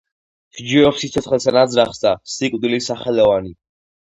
სჯობს სიცოცხლესა ნაზრახსა, სიკვდილი სახელოვანი!